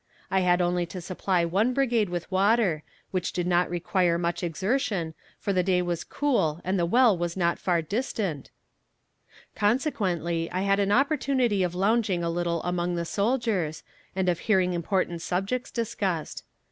I had only to supply one brigade with water, which did not require much exertion, for the day was cool and the well was not far distant; consequently I had an opportunity of lounging a little among the soldiers, and of hearing important subjects discussed.